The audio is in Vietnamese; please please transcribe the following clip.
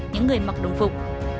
những người mặc đồng phục